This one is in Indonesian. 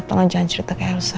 tolong jangan cerita kayak elsa